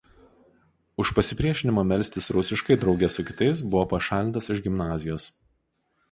Už pasipriešinimą melstis rusiškai drauge su kitais buvo pašalintas iš gimnazijos.